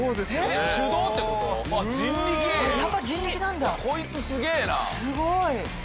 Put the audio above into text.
すごい。